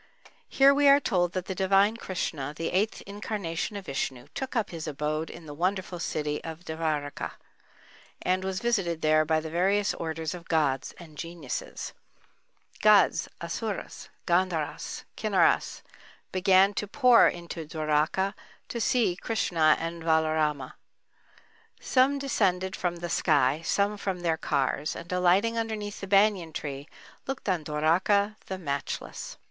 Here we are told that the divine Krishna, the eighth incarnation of Vishnu, took up his abode in the wonderful city Devârakâ, and was visited there by the various orders of gods and geniuses. Gods, Asuras, Gandharas, Kinnaras began to pour into Dwáraká, to see Krishna and Valaráma. Some descended from the sky, some from their cars—and alighting underneath the banyan tree, looked on Dwáraká, the matchless.